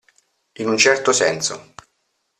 In un certo senso.